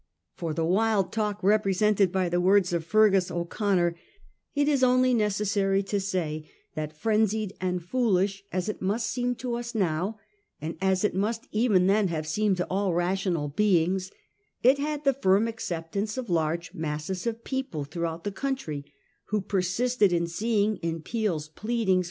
For the wild talk repre sented by the words of Feargus O'Connor, it is only necessary to say that, frenzied and foolish as it must seem now to us, and as it must even then have seemed to all rational beings, it had the firm ac ceptance of large masses of people throughout the country, who persisted in seeing in Peel's pleadings 136 A HISTORY OF OUR OWN TIMES. CH. YT.'